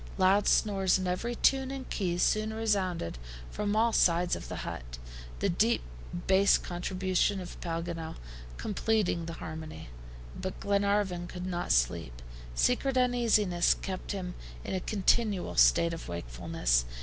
Loud snores in every tune and key soon resounded from all sides of the hut, the deep bass contribution of Paganel completing the harmony. But Glenarvan could not sleep. Secret uneasiness kept him in a continual state of wakefulness.